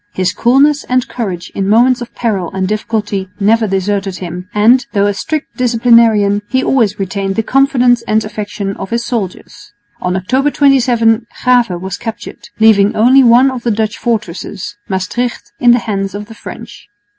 His coolness and courage in moments of peril and difficulty never deserted him, and, though a strict disciplinarian, he always retained the confidence and affection of his soldiers. On October 27 Grave was captured, leaving only one of the Dutch fortresses, Maestricht, in the hands of the French.